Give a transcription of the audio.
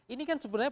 ini kan sebenarnya